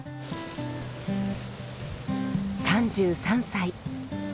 ３３歳。